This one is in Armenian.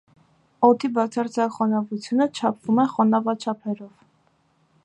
Օդի բացարձակ խոնավությունը չափվում է խոնավաչափերով։